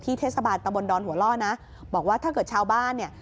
เทศบาลตะบนดอนหัวล่อนะบอกว่าถ้าเกิดชาวบ้านเนี่ย